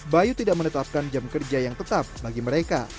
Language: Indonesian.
bayu tidak menetapkan jam kerja yang tetap bagi mereka